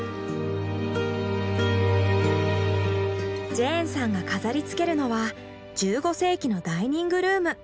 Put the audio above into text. ジェーンさんが飾りつけるのは１５世紀のダイニングルーム。